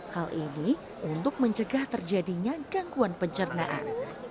hal ini untuk mencegah terjadinya gangguan pencernaan